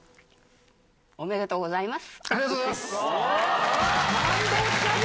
おめでとうございます。